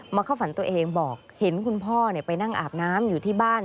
เข้าฝันตัวเองบอกเห็นคุณพ่อไปนั่งอาบน้ำอยู่ที่บ้าน